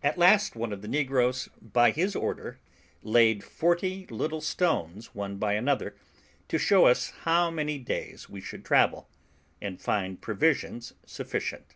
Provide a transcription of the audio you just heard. At last one of the negroes, by his order, laid forty little stones one by another, to show us how many days we should travel, and find provisions sufficient.